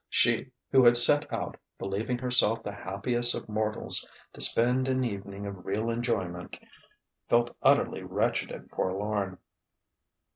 She, who had set out, believing herself the happiest of mortals, to spend an evening of real enjoyment, felt utterly wretched and forlorn.